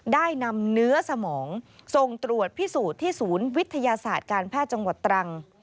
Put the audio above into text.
ได้นำเนื้อสมองส่งตรวจพิสูจน์ที่ศูนย์วิทยาศาสตร์การแพทย์จังหวัดตรัง